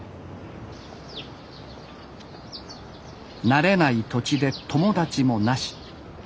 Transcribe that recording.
慣れない土地で友達もなし。